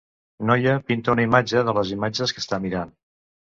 Noia pinta una imatge de les imatges que està mirant.